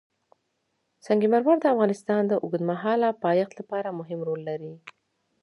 سنگ مرمر د افغانستان د اوږدمهاله پایښت لپاره مهم رول لري.